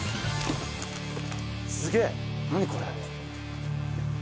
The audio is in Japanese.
すげえ何これ。